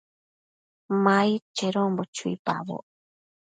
Ma aid chedonbo chuipaboc